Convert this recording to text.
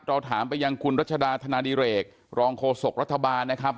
เราถามไปยังคุณรัชดาธนาดิเรกรองโฆษกรัฐบาลนะครับ